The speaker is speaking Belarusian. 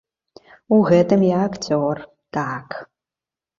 У гэтым я акцёр, так.